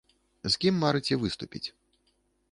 З кім марыце выступіць?